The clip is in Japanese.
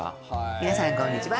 皆さんこんにちは。